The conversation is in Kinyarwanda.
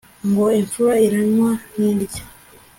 ngo imfura iranywa ntirya